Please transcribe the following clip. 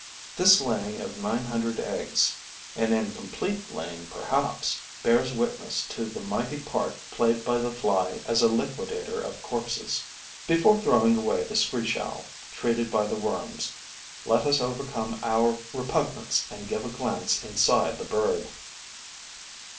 This laying of nine hundred eggs, an incomplete laying perhaps, bears witness to the mighty part played by the fly as a liquidator of corpses. Before throwing away the screech owl treated by the worms, let us overcome our repugnance and give a glance inside the bird.